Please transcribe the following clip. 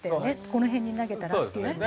「この辺に投げたら」っていうのも。